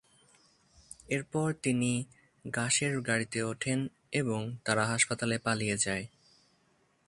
এরপর তিনি গাসের গাড়িতে ওঠেন এবং তারা হাসপাতালে পালিয়ে যায়।